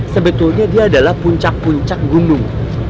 sebetulnya dia adalah puncak puncak gunung